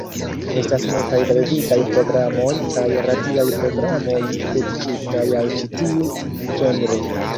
Estas multaj televidaj programoj kaj radiaj programoj dediĉitaj al ĉi tiu ĝenro.